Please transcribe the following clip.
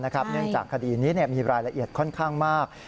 เนื่องจากคดีนี้มีรายละเอียดค่อนข้างมาก